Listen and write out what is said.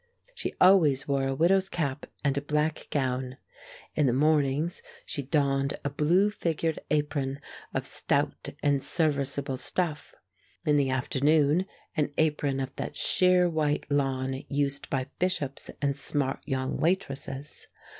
She always wore a widow's cap and a black gown. In the mornings she donned a blue figured apron of stout and serviceable stuff; in the afternoon an apron of that sheer white lawn used by bishops and smart young waitresses.